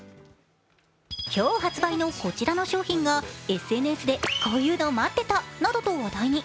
今日発売のこちらの商品がＳＮＳで、こういうの待ってたなどと話題に。